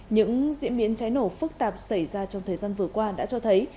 những diễn biến cháy nổ phức tạp xảy ra trong thời gian vừa qua đã cho thấy